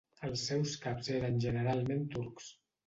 Els seus caps eren generalment turcs.